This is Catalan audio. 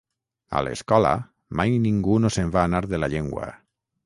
A l'escola mai ningú no se'n va anar de la llengua.